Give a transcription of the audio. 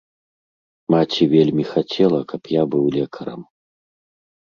Маці вельмі хацела, каб я быў лекарам.